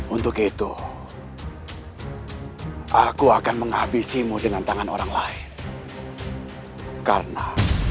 untuk itu aku akan menghabisimu dengan tangan orang lain karena